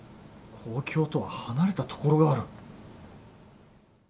公共とは離れたところがある。